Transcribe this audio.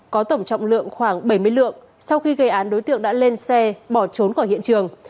có tổng trọng lượng khoảng bảy mươi lượng sau khi gây án đối tượng đã lên xe bỏ trốn khỏi hiện trường